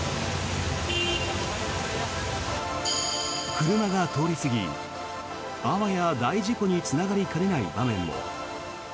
車が通り過ぎ、あわや大事故につながりかねない場面も。